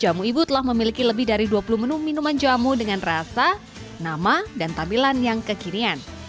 jamu ibu telah memiliki lebih dari dua puluh menu minuman jamu dengan rasa nama dan tampilan yang kekinian